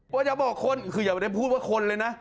ว่าจะบอกคนคืออย่าพูดว่าคนเลยนะ